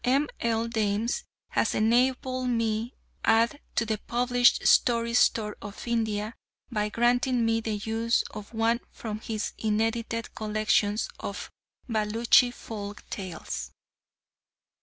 M. L. Dames has enabled me add to the published story store of India by granting me the use of one from his inedited collection of Baluchi folk tales.